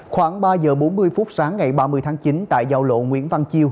khoảng ba giờ bốn mươi phút sáng ngày ba mươi tháng chín tại giao lộ nguyễn văn chiêu